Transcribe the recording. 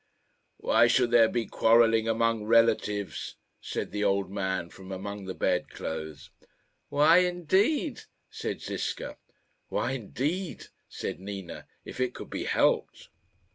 "Why should there be quarrelling among relatives?" said the old man from among the bed clothes. "Why, indeed?" said Ziska. "Why, indeed," said Nina, " if it could be helped?"